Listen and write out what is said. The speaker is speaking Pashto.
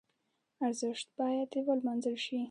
ارزښت باید ولمانځل شي.